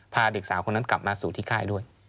พาเด็กสาวคนนั้นกลับมาสู่ที่ค่ายด้วย